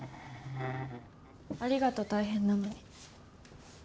ありがと、大変なのに。